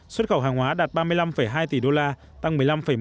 xuất khẩu hàng hóa đạt ba mươi năm hai tỷ đô la tăng một mươi năm một mươi